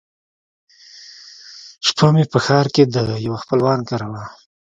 شپه مې په ښار کښې د يوه خپلوان کره وه.